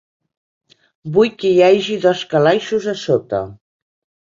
Vull que hi hagi dos calaixos a sota.